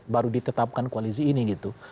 baru ditetapkan koalisi ini gitu